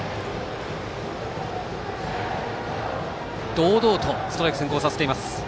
堂々とストライク先行させています。